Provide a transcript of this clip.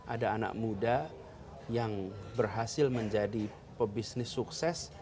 ada anak muda yang berhasil menjadi pebisnis sukses